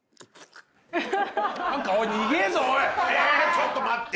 ちょっと待って。